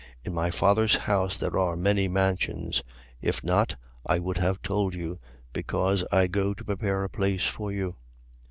14:2. In my Father's house there are many mansions. If not, I would have told you: because I go to prepare a place for you.